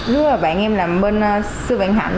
lúc đó là bạn em làm bên sư vạn hạnh